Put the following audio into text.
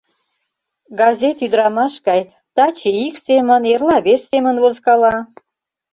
— Газет ӱдырамаш гай: таче ик семын, эрла вес семын возкала.